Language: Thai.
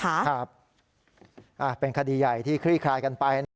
ครับเป็นคดีใหญ่ที่คลี่คลายกันไป